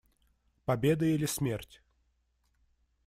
Победа или смерть.